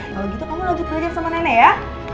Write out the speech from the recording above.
kalau gitu kamu lanjut belajar sama nenek ya